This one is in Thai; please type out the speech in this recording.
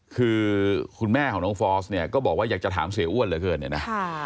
คือคุณแม่ของน้องฟอสเนี่ยก็บอกว่าอยากจะถามเสียอ้วนเหลือเกินเนี่ยนะ